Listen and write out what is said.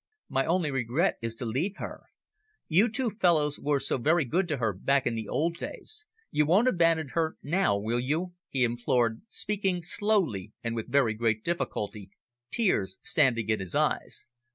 My only regret is to leave her. You two fellows were so very good to her back in the old days, you won't abandon her now, will you?" he implored, speaking slowly and with very great difficulty, tears standing in his eyes.